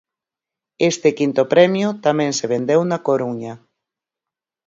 Este quinto premio tamén se vendeu na Coruña.